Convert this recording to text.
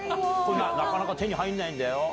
なかなか手に入んないんだよ。